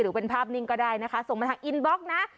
หรือเป็นภาพนิ่งก็ได้นะคะส่งมาทางอินบล็อกนะ